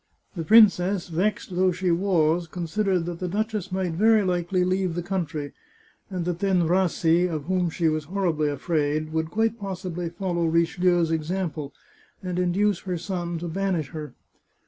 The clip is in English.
The princess, vexed though she was, considered 456 The Chartreuse of Parma that the duchess might very likely leave the country, and that then Rassi, of whom she was horribly afraid, would quite possibly follow Richelieu's example, and induce her son to banish her.